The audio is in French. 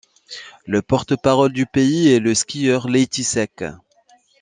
Le porte-drapeau du pays est le skieur Leyti Seck.